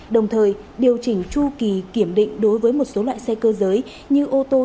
đồng thời điều chỉnh chu kỳ kiểm định đối với một số loại xe cơ giới như ô tô